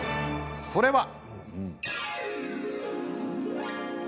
それは。